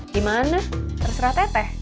dimana terserah teteh